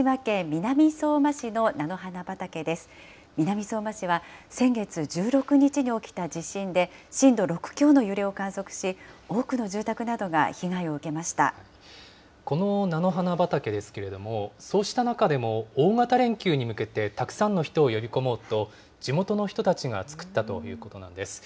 南相馬市は先月１６日に起きた地震で、震度６強の揺れを観測し、多くの住宅などが被害を受けましこの菜の花畑ですけれども、そうした中でも大型連休に向けてたくさんの人を呼び込もうと、地元の人たちが作ったということなんです。